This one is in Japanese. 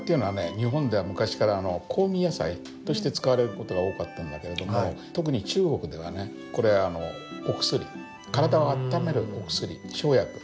日本では昔から香味野菜として使われる事が多かったんだけれども特に中国ではねこれお薬体をあっためるお薬生薬。